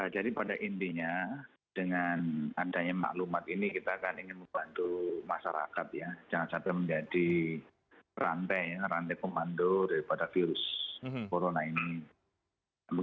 jadi pada intinya dengan adanya maklumat ini kita akan ingin membantu masyarakat ya jangan sampai menjadi rantai ya rantai pemandu daripada virus corona ini